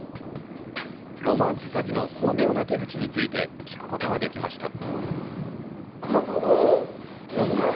ロマンス詐欺の巧妙な手口について聞くことができました。